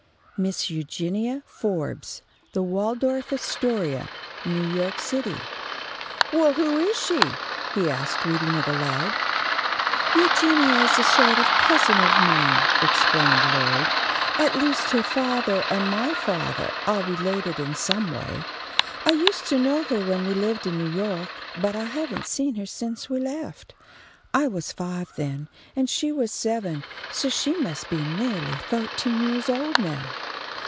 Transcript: Miss Eugenia Forbes, The Waldorf Astoria, New York City. "Well, who is she?" he asked, reading it aloud. "Eugenia is a sort of cousin of mine," explained Lloyd. "At least her fathah and my fathah are related in some way. I used to know her when we lived in New York, but I haven't seen her since we left. I was five then and she was seven, so she must be neahly thirteen yeahs old now.